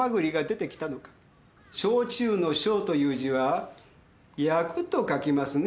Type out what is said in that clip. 焼酎の「焼」という字は「焼く」と書きますね。